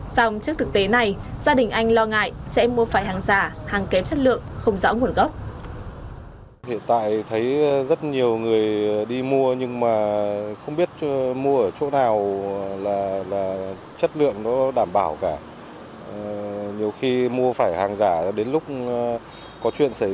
xong trước thực tế này gia đình anh lo ngại sẽ mua phải hàng giả hàng kém chất lượng không rõ nguồn gốc